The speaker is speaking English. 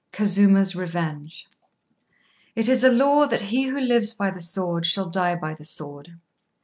KAZUMA'S REVENGE It is a law that he who lives by the sword shall die by the sword.